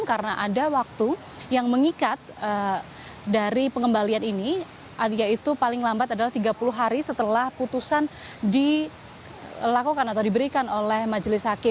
karena ada waktu yang mengikat dari pengembalian ini yaitu paling lambat adalah tiga puluh hari setelah putusan diberikan oleh majelis hakim